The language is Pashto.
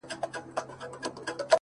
راهب په کليسا کي مردار ښه دی. مندر نسته